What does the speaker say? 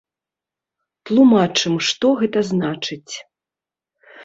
Тлумачым, што гэта значыць.